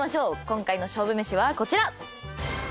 今回の勝負めしはこちら！